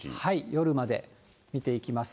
夜まで見ていきます。